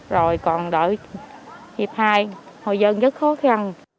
rồi còn đợi hiệp hai hồi dân rất khó khăn